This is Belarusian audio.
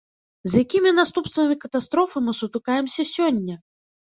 З якімі наступствамі катастрофы мы сутыкаемся сёння?